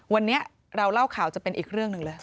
วันนี้เราเล่าข่าวจะเป็นอีกเรื่องหนึ่งเลย